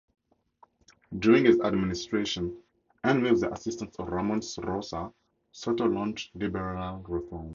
During his administration and with the assistance of Ramon Rosa, Soto launched liberal reforms.